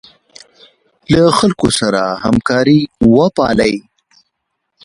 له خلکو سره همکاري وپالئ.